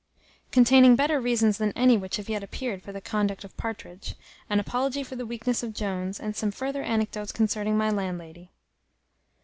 Containing better reasons than any which have yet appeared for the conduct of Partridge; an apology for the weakness of Jones; and some further anecdotes concerning my landlady.